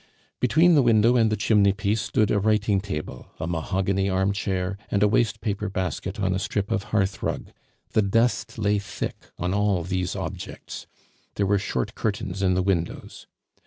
Between the window and the chimney piece stood a writing table, a mahogany armchair, and a waste paper basket on a strip of hearth rug; the dust lay thick on all these objects. There were short curtains in the windows.